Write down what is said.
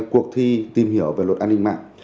cuộc thi tìm hiểu về luật an ninh mạng